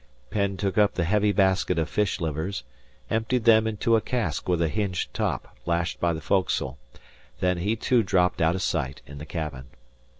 Penn took up the heavy basket of fish livers, emptied them into a cask with a hinged top lashed by the foc'sle; then he too dropped out of sight in the cabin.